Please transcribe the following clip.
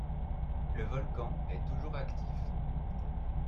Le volcan est toujours actif.